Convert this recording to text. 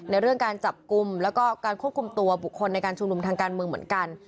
เรื่องการจับกลุ่มแล้วก็การควบคุมตัวบุคคลในการชุมนุมทางการเมืองเหมือนกัน